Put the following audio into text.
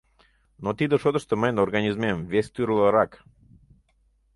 Но тиде шотышто мыйын организмем вес тӱрлырак.